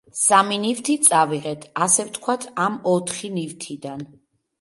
სამი ნივთი წავიღეთ, ასე ვთქვათ, ამ ოთხი ნივთიდან.